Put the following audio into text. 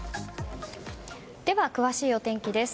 詳しいお天気です。